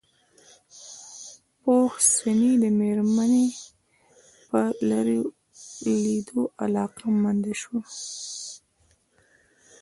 پوخ سنې مېرمن يې په ليدو علاقه منده شوه.